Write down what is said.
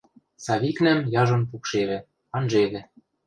Савикнӓм яжон пукшевӹ, анжевӹ.